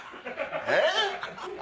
えっ⁉」。